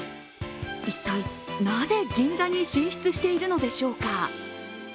一体なぜ銀座に進出しているのでしょうか。